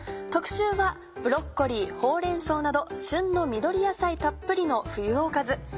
特集はブロッコリーほうれん草など旬の緑野菜たっぷりの冬おかず。